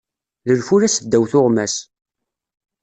D lfula seddaw tuɣmas.